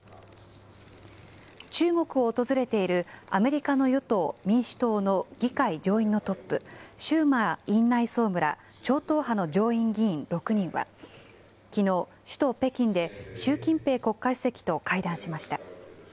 中国を訪れているアメリカの与党・民主党の議会上院のトップ、シューマー院内総務ら超党派の上院議員６人は、きのう、首都、北京で習近平国家主席と会談しました。